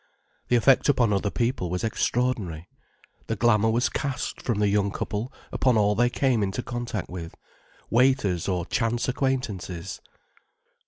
The effect upon other people was extraordinary. The glamour was cast from the young couple upon all they came into contact with, waiters or chance acquaintances.